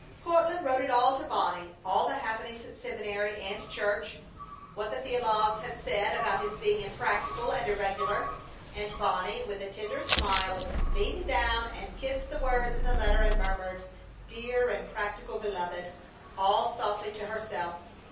Courtland wrote it all to Bonnie, all the happenings at seminary and church, what the theologues had said about his being impractical and irregular, and Bonnie, with a tender smile, leaned down and kissed the words in the letter, and murmured, "Dear impractical beloved!" all softly to herself.